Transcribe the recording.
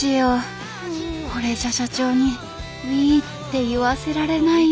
これじゃ社長に「ウィ」って言わせられないよ